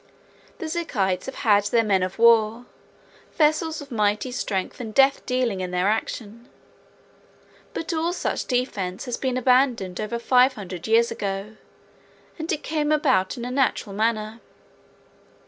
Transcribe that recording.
The Zikites have had their Men of War, vessels of mighty strength and death dealing in their action. But all such defense has been abandoned over five hundred years ago, and it came about in a natural manner.